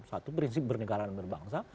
satu prinsip bernegara dan berbangsa